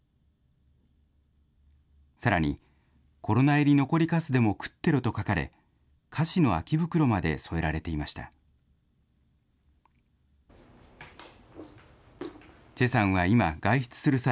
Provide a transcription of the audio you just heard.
さらに、コロナ入り残りかすでも食ってろと書かれ、菓子の空き袋まで添えられていました。